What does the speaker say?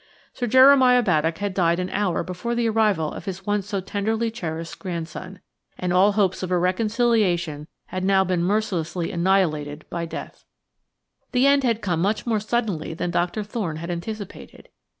Sir Jeremiah Baddock had died an hour before the arrival of his once so tenderly cherished grandson, and all hopes of a reconciliation had now been mercilessly annihilated by death. The end had come much more suddenly than Doctor Thorne had anticipated.